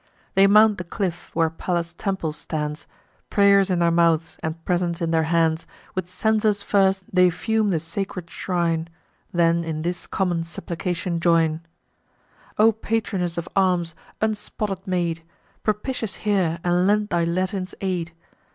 They mount the cliff, where Pallas' temple stands; Pray'rs in their mouths, and presents in their hands, With censers first they fume the sacred shrine, Then in this common supplication join: "O patroness of arms, unspotted maid, Propitious hear, and lend thy Latins aid!